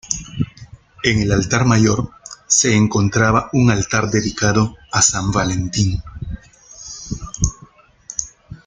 En el altar mayor se encontraba un altar dedicado a San Valentín.